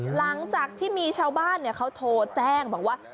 หลังจากที่มีชาวบ้านเขาโทรแจ้งบอกว่า